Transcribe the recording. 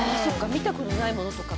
見た事ないものとかか。